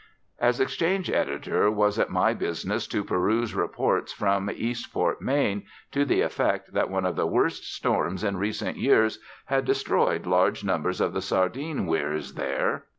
As exchange editor was it my business to peruse reports from Eastport, Maine, to the effect that one of the worst storms in recent years had destroyed large numbers of the sardine weirs there.